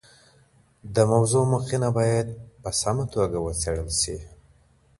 د موضوع مخینه باید په سمه توګه وڅېړل سي.